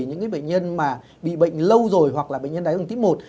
những cái bệnh nhân mà bị bệnh lâu rồi hoặc là bệnh nhân đáy hương tiếp một